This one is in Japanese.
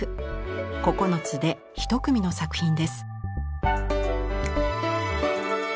９つで一組の作品です。